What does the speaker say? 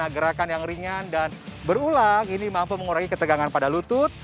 gerakan yang ringan dan berulang ini mampu mengurangi ketegangan pada lutut